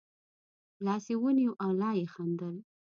لاس یې ونیو او لا یې خندل.